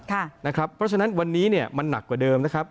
เพราะฉะนั้นวันนี้มันหนักกว่าเดิมนะครับ